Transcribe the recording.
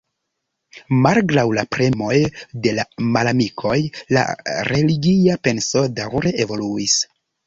Malgraŭ la premoj de la malamikoj, la religia penso daŭre evoluis.